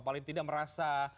paling tidak merasa